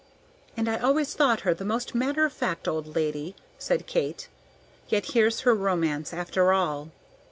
"And I always thought her the most matter of fact old lady," said Kate; "yet here's her romance, after all."